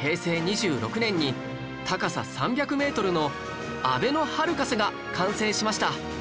平成２６年に高さ３００メートルのあべのハルカスが完成しました